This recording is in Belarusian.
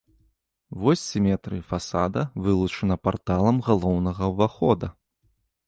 Вось сіметрыі фасада вылучана парталам галоўнага ўвахода.